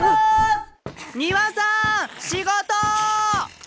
丹羽さん仕事！